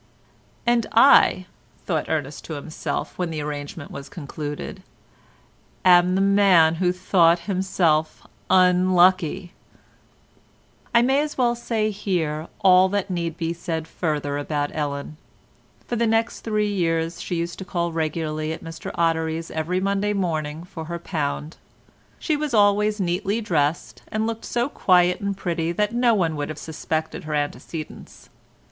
"And I," thought Ernest to himself again when the arrangement was concluded, "am the man who thought himself unlucky!" I may as well say here all that need be said further about Ellen. For the next three years she used to call regularly at Mr Ottery's every Monday morning for her pound. She was always neatly dressed, and looked so quiet and pretty that no one would have suspected her antecedents.